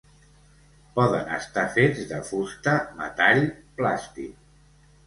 Poden estar fets de fusta, metall, plàstic.